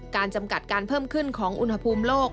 จำกัดการเพิ่มขึ้นของอุณหภูมิโลก